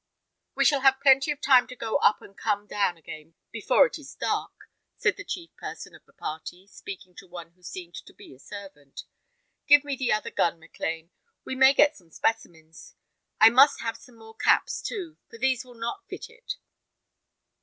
"We shall have plenty of time to go up and come down again before it is dark," said the chief person of the party, speaking to one who seemed to be a servant. "Give me the other gun, Maclean. We may get some specimens. I must have some more caps, too, for these will not fit it."